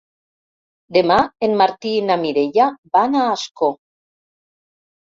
Demà en Martí i na Mireia van a Ascó.